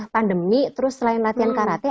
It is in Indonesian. pandemi terus selain latihan karate